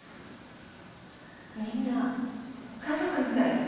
みんな家族みたいやったし。